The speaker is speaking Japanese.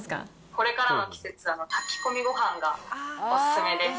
これからの季節は炊き込みごはんがお勧めです。